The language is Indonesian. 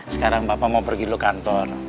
sekarang papa mau pergi dulu kantor